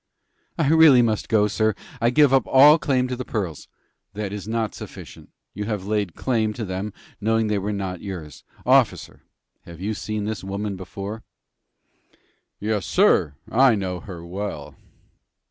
"I really must go, sir. I give up all claim to the pearls." "That is not sufficient. You have laid claim to them, knowing that they were not yours. Officer, have you ever seen this woman before?" "Yes, sir, I know her well."